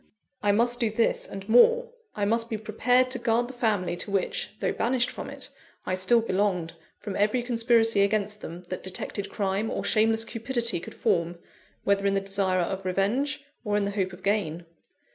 I must do this and more, I must be prepared to guard the family to which though banished from it I still belonged, from every conspiracy against them that detected crime or shameless cupidity could form, whether in the desire of revenge, or in the hope of gain..